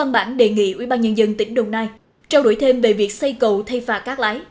bàn nhân dân tỉnh đồng nai trao đổi thêm về việc xây cầu thay pha các lái